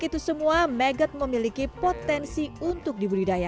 pertama sekali kerbau ini benar benar memiliki itsosophia dan berwarna kiwi